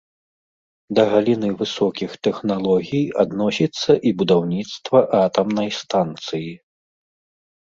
Да галіны высокіх тэхналогій адносіцца і будаўніцтва атамнай станцыі.